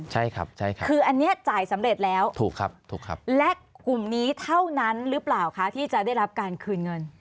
ใช่ครับคืออันนี้จ่ายสำเร็จแล้วถูกครับและกลุ่มนี้เท่านั้นหรือเปล่าคะที่จะได้รับการคืนเงิน